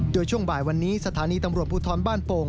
โดยช่วงบ่ายวันนี้สถานีตำรวจภูทรบ้านโป่ง